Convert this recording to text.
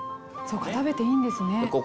そうか食べていいんですね。